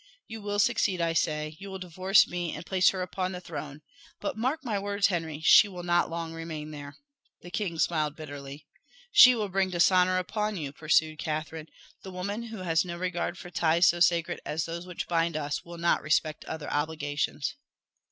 You will succeed, I say you will divorce me and place her upon the throne. But mark my words, Henry, she will not long remain there." The king smiled bitterly "She will bring dishonour upon you," pursued Catherine. "The woman who has no regard for ties so sacred as those which bind us will not respect other obligations."